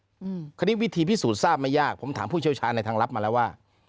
อืมคราวนี้วิธีพิสูจน์ทราบไม่ยากผมถามผู้เชี่ยวชาญในทางลับมาแล้วว่า